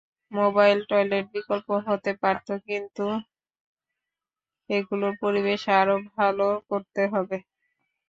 Mobile toilet বিকল্প হতে পারত, কিন্তু এগুলোর পরিবেশ আরও ভালো করতে হবে।